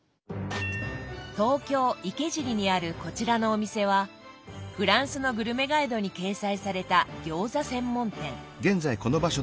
東京・池尻にあるこちらのお店はフランスのグルメガイドに掲載された餃子専門店。